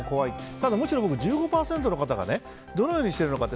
ただ、むしろ僕１５％の方がどのようにしてるのかって。